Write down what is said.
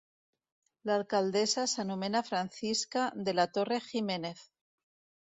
L'Alcaldessa s'anomena Francisca de la Torre Giménez.